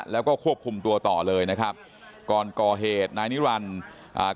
แล้วก็ควบคุมตัวต่อเลยนะครับก่อนก่อเหตุนายนิรันดิ์อ่า